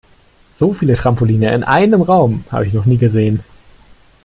So viele Trampoline in einem Raum habe ich noch nie gesehen.